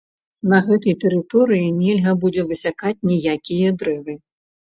На гэтай тэрыторыі нельга будзе высякаць ніякія дрэвы.